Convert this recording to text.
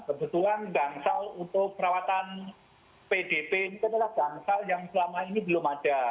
kebetulan gangsal untuk perawatan pdp ini adalah gangsal yang selama ini belum ada